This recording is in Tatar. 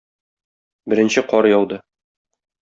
Беренче кар яуды.